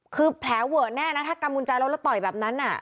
คือแผลเวอะแน่นะถ้ากำกุญแจรถแล้วแล้วต่อยแบบนั้น